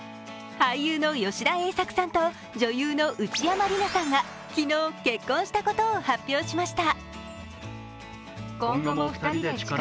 俳優の吉田栄作さんと女優の内山理名さんが昨日、結婚したことを発表しました。